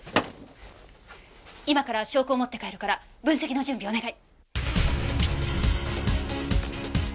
今から証拠を持って帰るから分析の準備お願い。